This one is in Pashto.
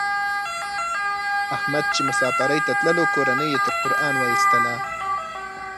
احمد چې مسافرۍ ته تللو کورنۍ یې تر قران و ایستلا.